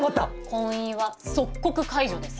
婚姻は即刻解除です。